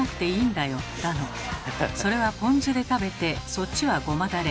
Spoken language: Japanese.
だの「それはポン酢で食べてそっちはゴマダレ。